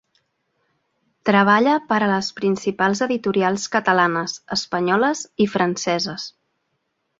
Treballa per a les principals editorials catalanes, espanyoles i franceses.